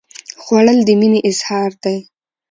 خوړل د مینې اظهار دی